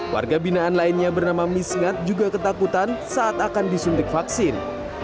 warga binaan lainnya bernama misngat juga ketakutan saat akan disuntik vaksin